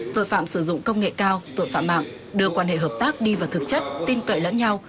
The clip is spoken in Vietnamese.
tội phạm sử dụng công nghệ cao tội phạm mạng đưa quan hệ hợp tác đi vào thực chất tin cậy lẫn nhau